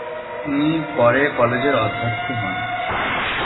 তিনি পরে কলেজের অধ্যক্ষ হন।